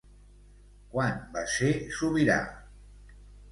Quan va ser sobirà?